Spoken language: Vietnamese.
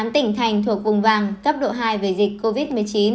một mươi tỉnh thành thuộc vùng vàng cấp độ hai về dịch covid một mươi chín